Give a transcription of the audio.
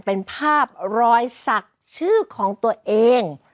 เป็นภาพรอยศักดิ์ชื่อของตัวเอง